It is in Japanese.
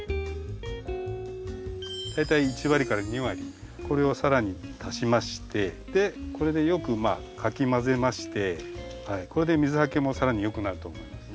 大体１割２割これを更に足しましてこれでよくかき混ぜましてこれで水はけも更によくなると思います。